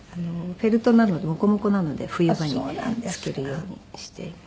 フェルトなのでモコモコなので冬場につけるようにしています。